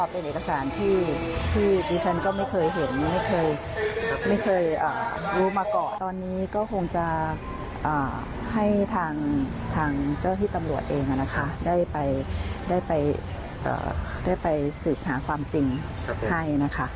เพื่อให้ทางเจ้าที่ตำรวจเองได้ไปสืบหาความจริงให้